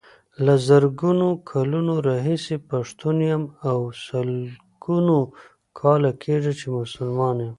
له زرګونو کلونو راهيسې پښتون يم او سلګونو کاله کيږي چې مسلمان يم.